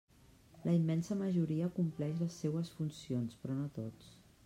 La immensa majoria compleix les seues funcions, però no tots.